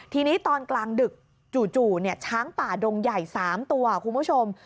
ทีนี้ตอนกลางดึกจู่ช้างป่าดงใหญ่๓ตัวคุณผู้ชม